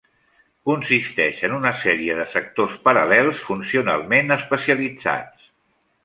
Consisteix en una sèrie de sectors paral·lels funcionalment especialitzats.